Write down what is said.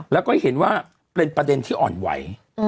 แล้วก็เห็นว่าเป็นประเด็นที่อ่อนไหว